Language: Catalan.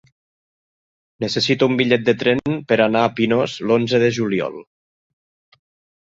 Necessito un bitllet de tren per anar a Pinós l'onze de juliol.